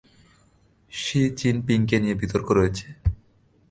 C চিন পিংকে নিয়ে বিতর্ক রয়েছে।